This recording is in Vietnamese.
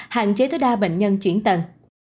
hạn chế tối đa bệnh nhân chuyển tầng